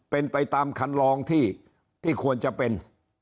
เป็นไปตามคันลองที่ควรจะเป็น